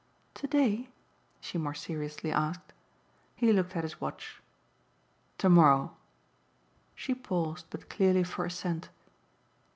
"To day?" she more seriously asked. He looked at his watch. "To morrow." She paused, but clearly for assent.